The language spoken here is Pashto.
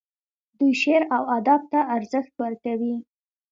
دوی شعر او ادب ته ارزښت ورکوي.